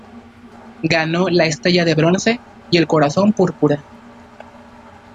Ganó la Estrella de Bronce y el Corazón Púrpura.